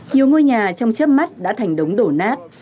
nhiều ngôi nhà trong chấp mắt đã thành đống đổ nát